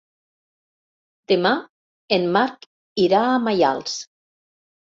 Demà en Marc irà a Maials.